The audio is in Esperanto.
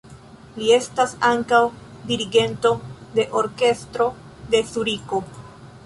Li estas ankaŭ dirigento de orkestro de Zuriko.